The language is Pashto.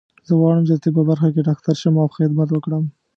زه غواړم چې د طب په برخه کې ډاکټر شم او خدمت وکړم